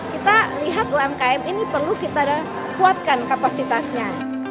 kita lihat umkm ini perlu kita kuatkan kapasitasnya